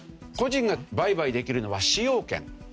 個人が売買できるのは使用権。